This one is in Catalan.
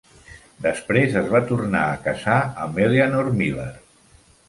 Després es va tornar a casar amb Eleanor Millard.